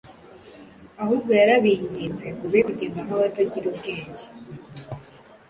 ahubwo yarabinginze ngo “be kugenda nk’abatagira ubwenge,